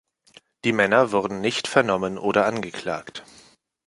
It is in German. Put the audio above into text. Die Männer wurden nicht vernommen oder angeklagt.